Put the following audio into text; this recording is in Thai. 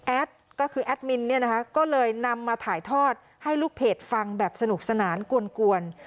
ก็คือแอดมินเนี่ยนะคะก็เลยนำมาถ่ายทอดให้ลูกเพจฟังแบบสนุกสนานกวน